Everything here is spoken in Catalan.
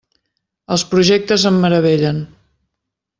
Els projectes em meravellen.